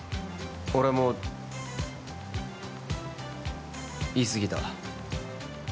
俺も、言い過ぎた。